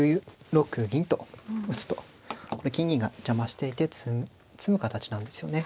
９六銀と打つとこれ金銀が邪魔していて詰む形なんですよね。